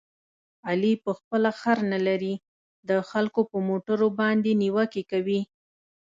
علي په خپله خر نه لري، د خلکو په موټرو باندې نیوکې کوي.